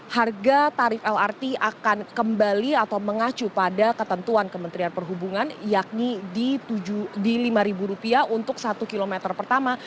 harga tarif lrt akan kembali atau mengacu pada ketentuan kementerian perhubungan yakni di rp lima untuk satu km pertama